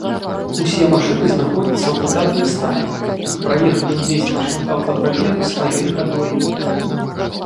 Усе машыны знаходзяцца ў выдатным стане і праехалі ўвесь маршрут аўтапрабегу сваёй хадой.